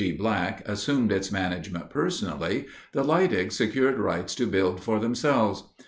G. Black, assumed its management personally, the Leidigs secured rights to build for themselves.